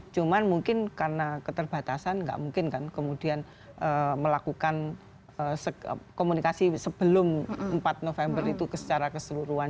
cuman mungkin karena keterbatasan nggak mungkin kan kemudian melakukan komunikasi sebelum empat november itu secara keseluruhan